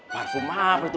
parfum apa itu